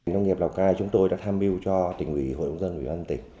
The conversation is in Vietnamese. nông nghiệp lào cai chúng tôi đã tham mưu cho tỉnh ủy hội đồng dân ubnd